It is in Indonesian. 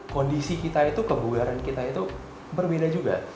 kondisi kita itu kebugaran kita itu berbeda juga